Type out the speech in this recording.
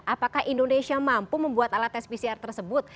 apakah indonesia mampu membuat alat tes pcr tersebut